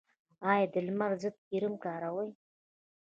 ایا د لمر ضد کریم کاروئ؟